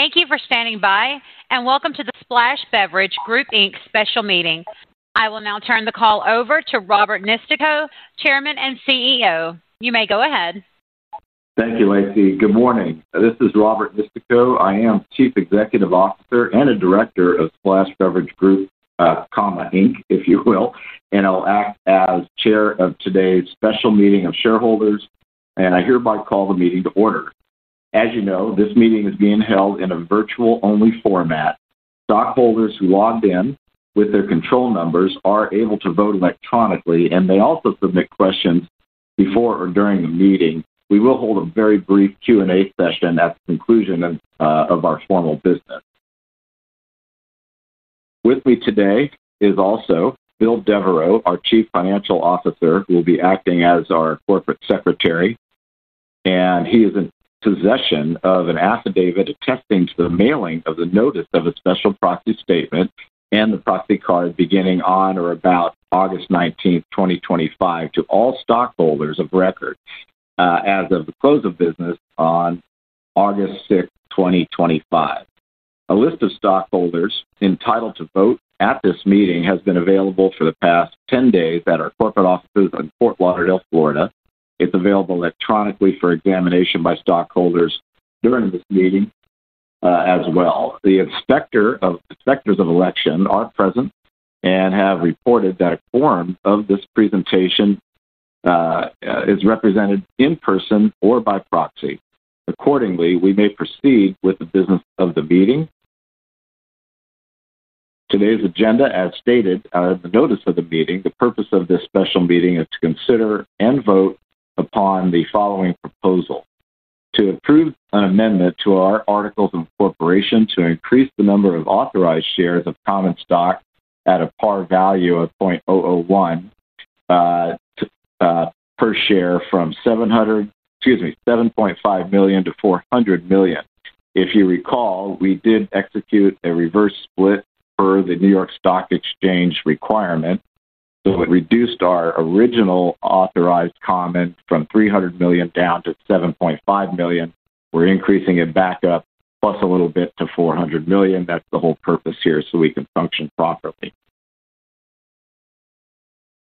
Thank you for standing by and welcome to the Splash Beverage Group, Inc. special meeting. I will now turn the call over to Robert Nistico, Chairman and CEO. You may go ahead. Thank you, Lacey. Good morning. This is Robert Nistico. I am Chief Executive Officer and a Director of Splash Beverage Group, Inc., if you will. I'll act as Chair of today's special meeting of shareholders, and I hereby call the meeting to order. As you know, this meeting is being held in a virtual-only format. Stockholders who logged in with their control numbers are able to vote electronically, and they also submit questions before or during the meeting. We will hold a very brief Q&A session at the conclusion of our formal business. With me today is also Bill Devereux, our Chief Financial Officer, who will be acting as our Corporate Secretary, and he is in possession of an affidavit attesting to the mailing of the notice of a special proxy statement and the proxy card beginning on or about August 19, 2025, to all stockholders of record as of the close of business on August 6, 2025. A list of stockholders entitled to vote at this meeting has been available for the past 10 days at our corporate offices in Fort Lauderdale, Florida. It's available electronically for examination by stockholders during this meeting as well. The Inspectors of Election are present and have reported that a form of this presentation is represented in person or by proxy. Accordingly, we may proceed with the business of the meeting. Today's agenda, as stated, the notice of the meeting, the purpose of this special meeting is to consider and vote upon the following proposal: to approve an amendment to our Articles of Incorporation to increase the number of authorized shares of common stock at a par value of $0.001 per share from 7.5 million to 400 million. If you recall, we did execute a reverse split per the New York Stock Exchange requirement. It reduced our original authorized common from 300 million down to 7.5 million. We're increasing it back up, plus a little bit to 400 million. That's the whole purpose here so we can function properly.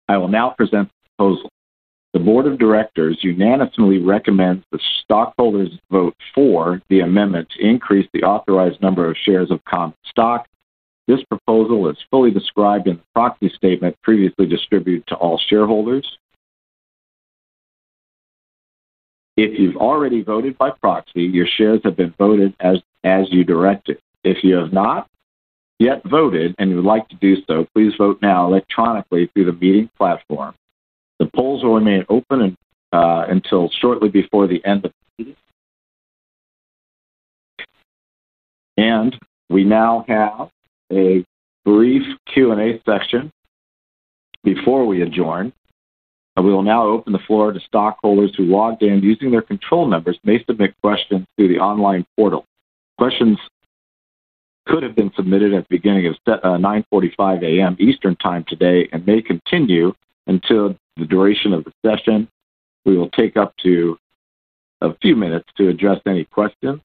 I will now present the proposal. The Board of Directors unanimously recommends the stockholders vote for the amendment to increase the authorized number of shares of common stock. This proposal is fully described in the proxy statement previously distributed to all shareholders. If you've already voted by proxy, your shares have been voted as you directed. If you have not yet voted and you would like to do so, please vote now electronically through the meeting platform. The polls will remain open until shortly before the end of the meeting. We now have a brief Q&A session before we adjourn. We will now open the floor to stockholders who logged in using their control numbers and may submit questions through the online portal. Questions could have been submitted at the beginning of 9:45 A.M. Eastern Time today and may continue until the duration of the session. We will take up to a few minutes to address any questions.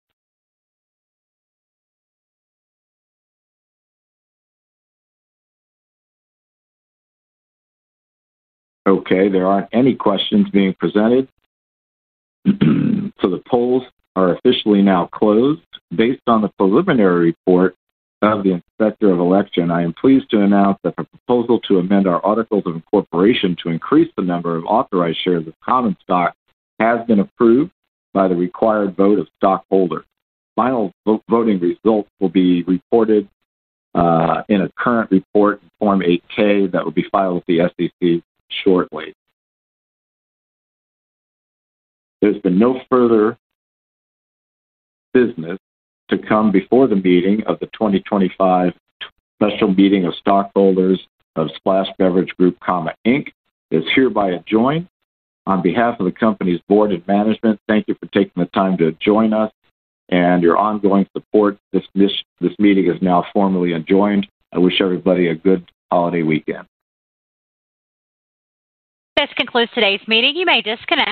There aren't any questions being presented, so the polls are officially now closed. Based on the preliminary report of the Inspectors of Election, I am pleased to announce that the proposal to amend our Articles of Incorporation to increase the number of authorized shares of common stock has been approved by the required vote of stockholders. Final voting results will be reported in a current report in Form 8-K that will be filed with the Securities and Exchange Commission shortly. There's been no further business to come before the 2025 special meeting of stockholders of Splash Beverage Group, Inc. It's hereby adjourned. On behalf of the company's Board of Directors and management, thank you for taking the time to join us and your ongoing support. This meeting is now formally adjourned. I wish everybody a good holiday weekend. This concludes today's meeting. You may disconnect.